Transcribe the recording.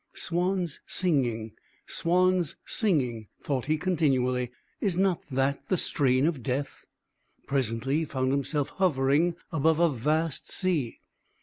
"Swans singing! swans singing!" thought he continually; "is not that the strain of Death?" Presently he found himself hovering above a vast sea.